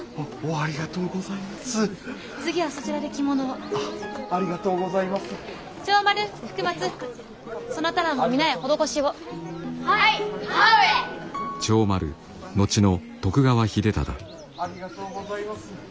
ありがとうございます。